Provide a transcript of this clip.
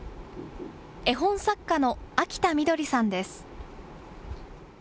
絵本作家の秋田緑さんです。